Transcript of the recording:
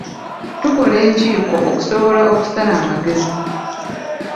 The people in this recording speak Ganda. Tukola enkiiko okusobola okusala amagezi.